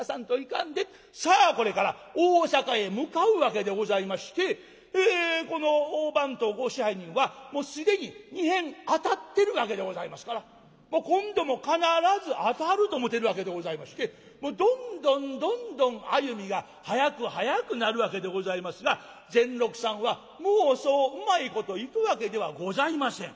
さあこれから大坂へ向かうわけでございましてこの大番頭ご支配人は既に２へん当たってるわけでございますから今度も必ず当たると思てるわけでございましてどんどんどんどん歩みが速く速くなるわけでございますが善六さんはもうそううまいこといくわけではございません。